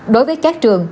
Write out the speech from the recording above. đối với các trường